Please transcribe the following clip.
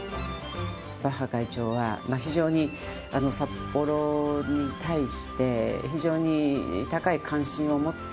バッハ会長は非常に札幌に対して、非常に高い関心を持って。